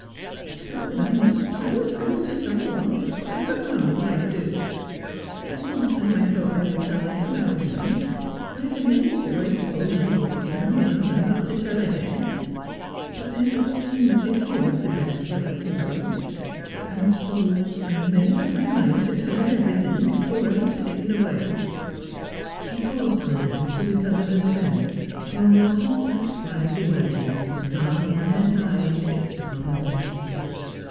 I felt that I must tell the truth to some one, whatever harm it might do. At one time I thought I would tell Mr. Haldimond, for as a minister I suppose he would be bound in honour not to tell again — but then it seemed as if you had the best right to know — and so — I made up my mind to tell you everything before I was taken away.' She paused for a little to recover her strength, while Morton sat quietly waiting, with calm, intent eyes fixed upon her face.